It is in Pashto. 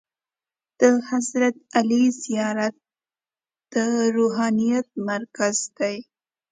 د حضرت علي زیارت د روحانیت مرکز دی.